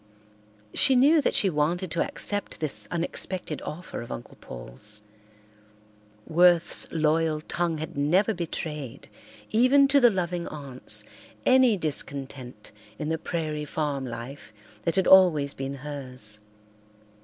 She knew that she wanted to accept this unexpected offer of Uncle Paul's. Worth's loyal tongue had never betrayed, even to the loving aunts, any discontent in the prairie farm life that had always been hers.